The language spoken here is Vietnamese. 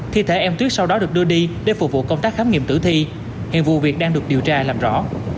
thi thể em tuyết sau đó được đưa đi để phục vụ công tác khám nghiệm tử thi hiện vụ việc đang được điều tra làm rõ